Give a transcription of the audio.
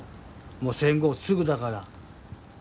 もう戦後すぐだから。